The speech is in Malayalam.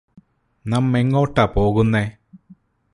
നമ്മളെങ്ങോട്ടാ പോകുന്നേ